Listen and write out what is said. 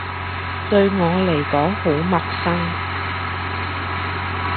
對我嚟講好陌生